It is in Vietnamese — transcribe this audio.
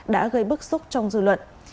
đã gây bức xúc trong dự luận